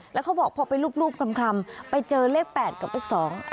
แล้วเขาบอกพอไปรูปรูปคลำไปเจอเลขแปดกับเลขสอง